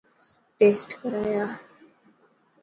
ٽيسٽ ڪرائي آءِ.